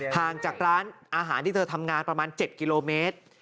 ห่างจากร้านอาหารที่เธอทำงานประมาณ๗กิโลเมตร